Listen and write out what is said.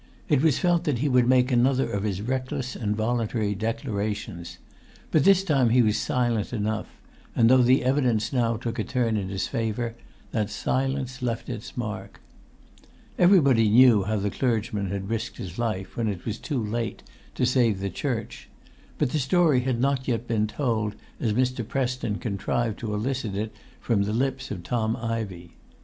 It was felt that he would make another of his reckless and voluntary declarations. But this time he was silent enough; and though the evidence now took a turn in his favour, that silence left its mark. Everybody knew how the clergyman had risked his life, when it was too late, to save the church. But the story had not yet been told as Mr. Preston contrived to elicit it from the lips of Tom Ivey.